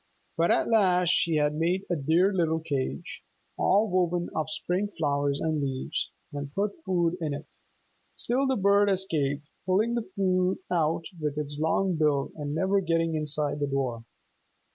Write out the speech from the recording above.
But at last she had made a dear little cage, all woven of spring flowers and leaves, and put food in it. Still the bird escaped, pulling the food out with its long bill and never getting inside the door.